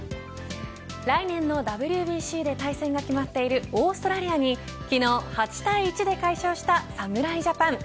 来年のＷＢＣで対戦が決まっているオーストラリアに昨日、８対１で快勝した侍ジャパン。